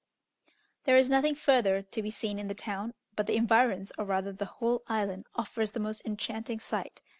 There is nothing further to be seen in the town, but the environs, or rather the whole island, offers the most enchanting sight.